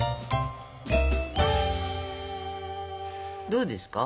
どうですか？